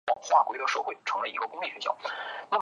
伊塔茹是巴西圣保罗州的一个市镇。